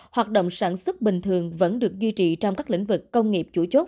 hoạt động sản xuất bình thường vẫn được duy trì trong các lĩnh vực công nghiệp chủ chốt